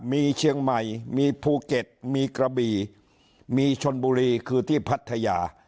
มีเชียงใหม่มีภูเก็ตมีกระบี่มีชนบุรีคือที่พัทยา